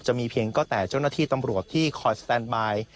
จะมีเพียงก็แต่เจ้าหน้าที่ตำรวจที่คอยสแตนบาย